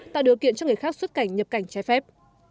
tạo điều kiện cho người khác xuất cảnh nhập cảnh trái phép